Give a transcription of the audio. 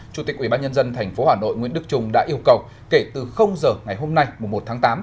chủ tịch ubnd tp hà nội nguyễn đức trung đã yêu cầu kể từ giờ ngày hôm nay một tháng tám